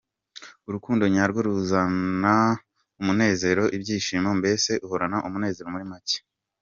Urukundo nyarwo ruzana umunezero, ibyishimo, mbese uhorana umunezero muri make.